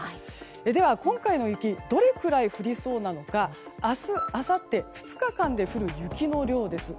では、今回の雪どれくらい降りそうなのか明日、あさって２日間で降る雪の量です。